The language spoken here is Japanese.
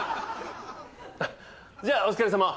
じゃあお疲れさま。